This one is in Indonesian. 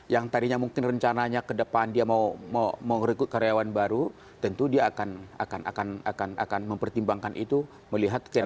yang tadinya mungkin rencananya ke depan dia mau rekrut karyawan baru tentu dia akan mempertimbangkan itu melihat